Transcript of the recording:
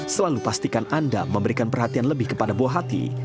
selalu pastikan anda memberikan perhatian lebih kepada buah hati